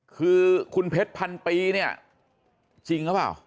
คือคุณเพชรพันปีเนี่ยจริงหรือเปล่า